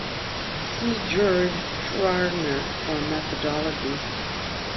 See Gerd Schraner for methodology.